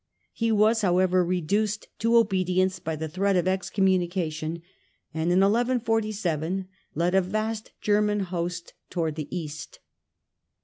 He was, however, reduced to obedience by the threat of excommuni cation, and in 1147 led a vast German host towards the East.